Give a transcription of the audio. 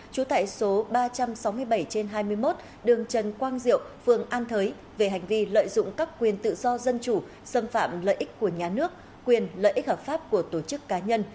trú tại số ba trăm sáu mươi bảy trên hai mươi một đường trần quang diệu phường an thới về hành vi lợi dụng các quyền tự do dân chủ xâm phạm lợi ích của nhà nước quyền lợi ích hợp pháp của tổ chức cá nhân